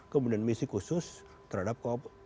kemudian misi khusus terhadap